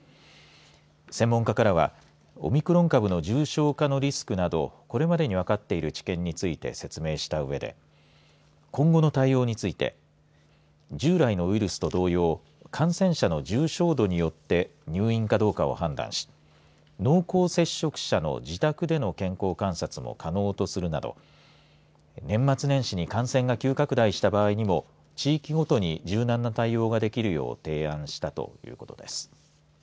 専門家からはオミクロン株の重症化のリスクなどこれまでに分かっている知見について説明したうえで今後の対応について従来のウイルスと同様感染者の重症度によって入院かどうかを判断し濃厚接触者の自宅での健康観察も可能とするなど年末年始に感染が急拡大した場合にも地域ごとに柔軟な対応ができるよう提案したということです。